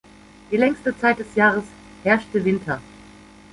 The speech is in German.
Die längste Zeit des Jahres herrschte Winter.